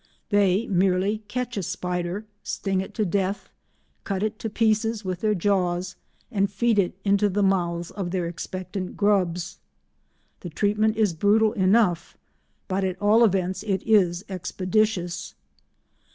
They merely catch a spider, sting it to death, cut it to pieces with their jaws, and feed it into the mouths of their expectant grubs. The treatment is brutal enough, but at all events it is expeditious.